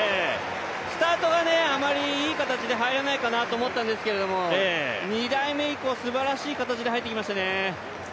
スタートがあまりいい形で入らないかなと思ったんですが、２台目以降、すばらしい形で入ってきましたね。